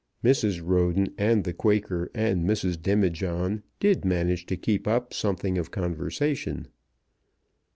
Mrs. Roden and the Quaker and Mrs. Demijohn did manage to keep up something of conversation.